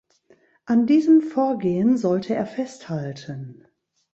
An diesem Vorgehen sollte er festhalten.